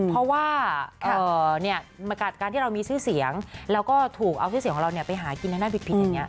เพราะว่าการที่เรามีชื่อเสียงแล้วก็ถูกเอาชื่อเสียงของเราไปหากินทั้งนั้นผิดอย่างนี้